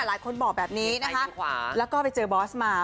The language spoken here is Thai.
หลายคนบอกแบบนี้นะคะแล้วก็ไปเจอบอสมา